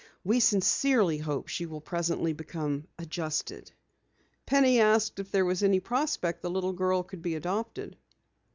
We sincerely hope she will presently become adjusted." Penny asked if there was any prospect the little girl would be adopted.